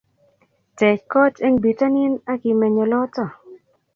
Tech kot eng bitonin akimeny oloto